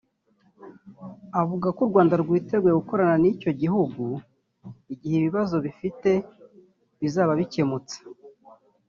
avuga ko u Rwanda rwiteguye gukorana n’icyo gihugu igihe ibibazo gifite bizaba bikemutse